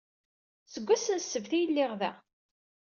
Seg wass n ssebt ay lliɣ da.